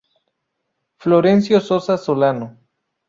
Florencio Sosa Solano.